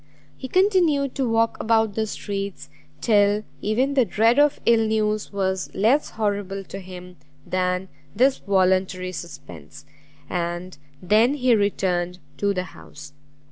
He continued to walk about the streets, till even the dread of ill news was less horrible to him than this voluntary suspense, and then he returned to the house.